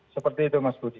seperti itu mas budi